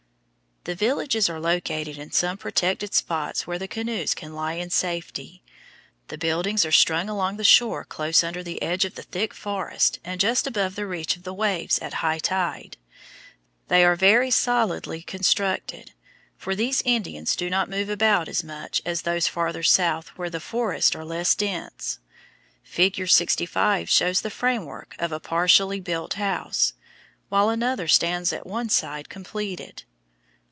The villages are located in some protected spot where the canoes can lie in safety. The buildings are strung along the shore close under the edge of the thick forest and just above the reach of the waves at high tide. They are very solidly constructed, for these Indians do not move about as much as those farther south where the forests are less dense. Figure 65 shows the framework of a partially built house, while another stands at one side completed.